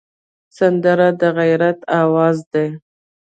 سندره د غیرت آواز دی